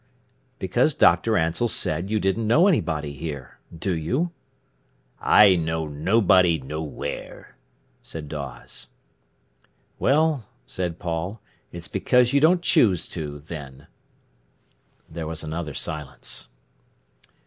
"Because Dr. Ansell said you didn't know anybody here. Do you?" "I know nobody nowhere," said Dawes. "Well," said Paul, "it's because you don't choose to, then." There was another silence.